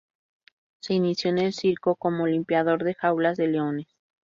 Se inició en el circo como limpiador de jaulas de leones.